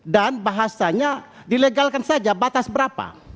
dan bahasanya dilegalkan saja batas berapa